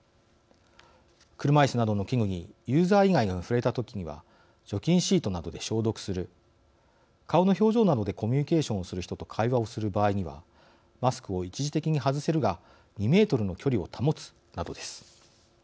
車いすなどの器具にユーザー以外が触れたときには除菌シートなどで消毒する顔の表情などでコミュニケーションをする人と会話をする場合にはマスクを一時的に外せるが２メートルの距離を保つなどです。